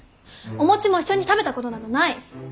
お餅も一緒に食べたことなどない！